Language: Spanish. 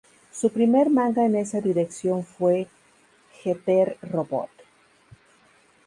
Su primer manga en esa dirección fue "Getter Robot".